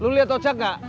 lu liat ojak gak